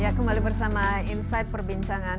ya kembali bersama insight perbincangan